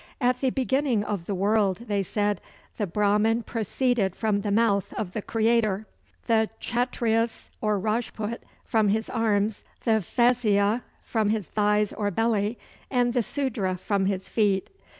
At the beginning of the world, they said, the Brahman proceeded from the mouth of the Creator, the Kchatryas or Rajput from his arms, the Vaisya from his thighs or belly, and the Sudra from his feet.